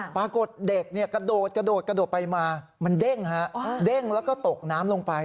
ปรากฏเด็กกระโดดไปมามันเด้งแล้วก็ตกน้ำลงไป